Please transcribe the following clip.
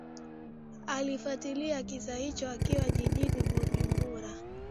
alifuatilia kisa hicho akiwa jijini bujumbura